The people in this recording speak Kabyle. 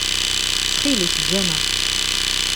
Ttxil-k, eǧǧ-aneɣ.